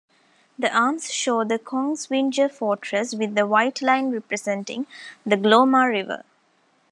The arms show the Kongsvinger Fortress with the white line representing the Glomma river.